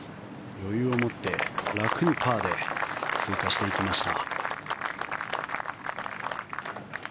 余裕を持って楽にパーで通過していきました。